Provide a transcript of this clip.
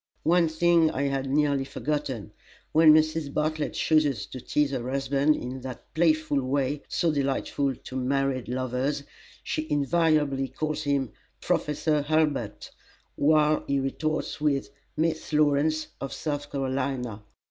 One thing I had nearly forgotten. When Mrs. Bartlett chooses to tease her husband in that playful way so delightful to married lovers, she invariably calls him "Professor Hurlbut," while he retorts with "Miss Lawrence, of South Carolina."